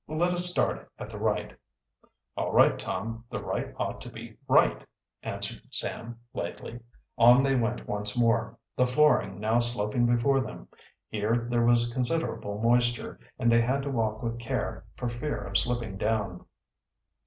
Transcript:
"Let us start at the right." "All right, Tom; the right ought to be right," answered Sam lightly. On they went once more, the flooring now sloping before them. Here there was considerable moisture, and they had to walk with care for fear of slipping down.